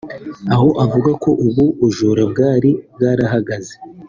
aho avuga ko ubu bujura bwari bwarahagaze